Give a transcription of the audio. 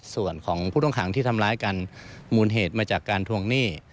ส่วนของผู้ต้องขังที่ทำร้ายกันมูลเหตุมาจากการทวงหนี้